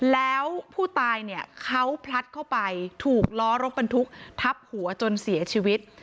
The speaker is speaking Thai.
แล้วผู้ตายเนี่ยเขาพลัดเข้าไปถูกล้อรถบรรทุกทับหัวจนเสียชีวิต